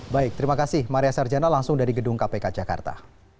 baik terima kasih maria sarjana langsung dari gedung kpk jakarta